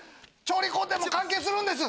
調理工程をも関係するんです！